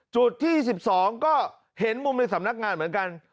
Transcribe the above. จุดที่๑๒ก็เห็นมุมในสำนักงานเหมือนกัน